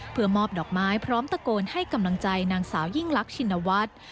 เพื่อมอบดอกไม้พร้อมตะโกนให้กำลังใจนางสาวยิ่งรักชินวัฒน์